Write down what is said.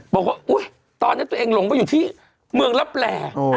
บอกว่าตอนนี้ตัวเองหลงไปอยู่ที่เมืองลับแล